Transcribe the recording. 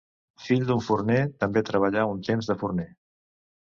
Fill d'un forner, també treballà un temps de forner.